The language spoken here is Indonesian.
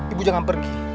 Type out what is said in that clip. ibu jangan pergi